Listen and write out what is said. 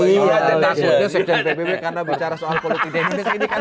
iya dan maksudnya sekjen pbb karena bicara soal politik dan imigresen